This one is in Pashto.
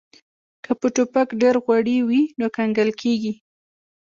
که په ټوپک ډیر غوړي وي نو کنګل کیږي